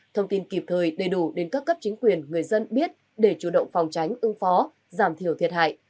thông tin kịp thời đầy đủ đến các cấp chính quyền người dân biết để chủ động phòng tránh ưng phó giảm thiểu thiệt hại